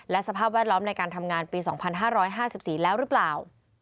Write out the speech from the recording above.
และสภาพแวดล้อมในการทำงานปี๒๕๕๔แล้วหรือเปล่า